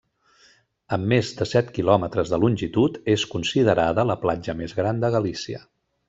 Amb més de set quilòmetres de longitud, és considerada la platja més gran de Galícia.